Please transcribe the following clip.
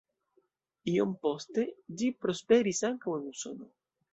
Iom poste ĝi prosperis ankaŭ en Usono.